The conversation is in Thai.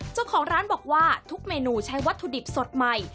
เจ้าของร้านบอกว่าทุกเมนูใช้วัตถุดิบสดใหม่